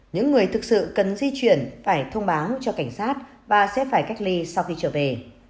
những người thực sự cần di chuyển phải thông báo cho cảnh sát và sẽ phải cách ly sau khi trở về